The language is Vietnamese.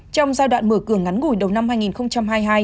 trong giai đoạn mở cửa ngắn ngủi đầu năm hai nghìn hai mươi hai